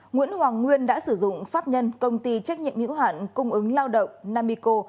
nguyễn hoàng nguyên đã sử dụng pháp nhân công ty trách nhiệm hữu hạn cung ứng lao động namico